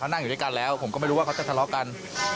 นั่งอยู่ด้วยกันแล้วผมก็ไม่รู้ว่าเขาจะทะเลาะกัน